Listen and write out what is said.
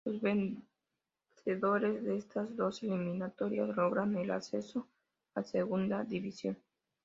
Los vencedores de estas dos eliminatorias, logran el ascenso a Segunda División.